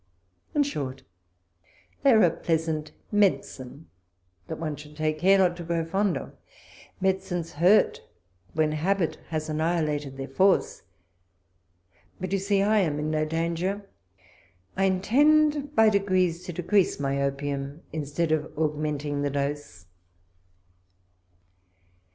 In short, they are a pleasant medicine, that one should take care not to grow fond of. Medicines hurt when habit has annihi lated their force ; but you see I am in no danger. I intend by degrees to decrease my opium, in stead of augmenting the dose.